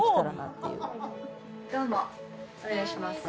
「お願いします」